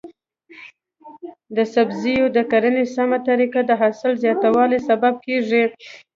د سبزیو د کرنې سمه طریقه د حاصل زیاتوالي سبب کیږي.